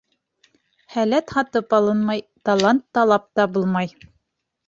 Һәләт һатып алынмай, талант талап табылмай.